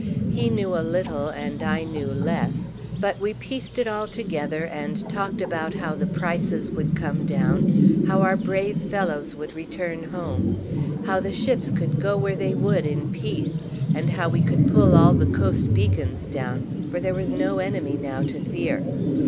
He knew a little, and I knew less, but we pieced it all together and talked about how the prices would come down, how our brave fellows would return home, how the ships could go where they would in peace, and how we could pull all the coast beacons down, for there was no enemy now to fear.